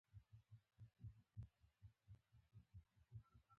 له ناپوهو خلکو سره هېڅ څوک بريالی نه شي کېدلی.